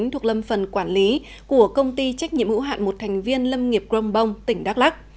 thuộc lâm phần quản lý của công ty trách nhiệm hữu hạn một thành viên lâm nghiệp grongbong tỉnh đắk lắc